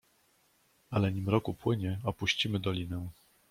"Ale, nim rok upłynie, opuścimy dolinę."